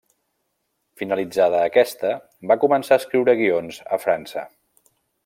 Finalitzada aquesta, va començar a escriure guions a França.